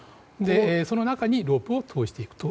その中にロープを通していくと。